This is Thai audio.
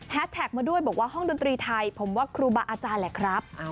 แท็กมาด้วยบอกว่าห้องดนตรีไทยผมว่าครูบาอาจารย์แหละครับ